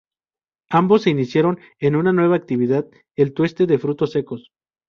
Ambos se iniciaron en una nueva actividad, el tueste de frutos secos.